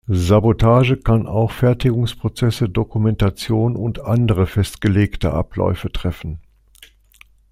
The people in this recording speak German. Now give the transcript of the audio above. Sabotage kann auch Fertigungsprozesse, Dokumentation und andere festgelegte Abläufe treffen.